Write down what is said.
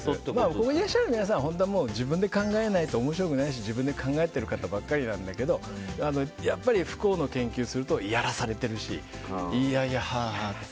ここにいらっしゃる皆さんは自分で考えないと面白くないし自分で考えている方ばかりなんだけどやっぱり不幸の研究をするとやらされてるし嫌々半々だと。